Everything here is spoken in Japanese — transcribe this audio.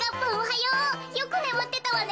よくねむってたわね。